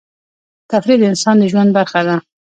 تفریح د انسان د ژوند برخه ده.